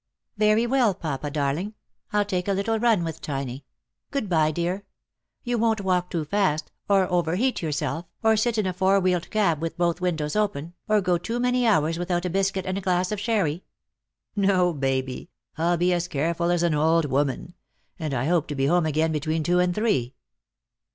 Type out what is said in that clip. " Yery well, papa darling ; I'll take a little run with Tiny. Good bye, dear. You won't walk too fast, or overheat yourself, or sit in a four wheeled cab with both windows open, or go too many hours without a biscuit and a glass of sherry ?"" No, Baby ; I'll be as careful as an old woman. And I hope to be home again between two and three."